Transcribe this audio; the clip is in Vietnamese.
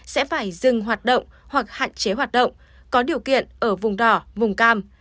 sẽ phải dừng hoạt động hoặc hạn chế hoạt động có điều kiện ở vùng đỏ vùng cam